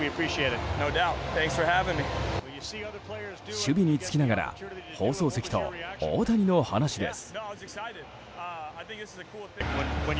守備につきながら放送席と大谷の話です。